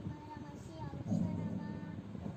二色桌片参为瓜参科桌片参属的动物。